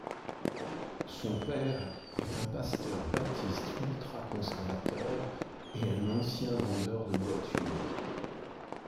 Son père est un pasteur baptiste ultraconservateur et un ancien vendeur de voitures.